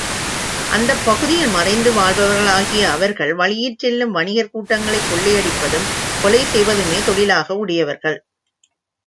அந்தப் பகுதியில் மறைந்து வாழ்பவர்களாகிய அவர்கள் வழியிற் செல்லும் வணிகர் கூட்டங்களைக் கொள்ளையடிப்பதும் கொலை செய்வதுமே தொழிலாக உடையவர்கள்.